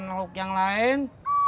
lauk yang lain